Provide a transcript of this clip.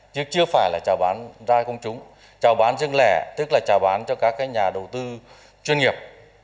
chứ chưa phải là trả bán ra công chúng trả bán riêng lẻ tức là trả bán cho các nhà đầu tư chuyên nghiệp